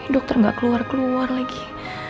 dokter gak keluar keluar lagi